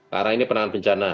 karena ini penanganan bencana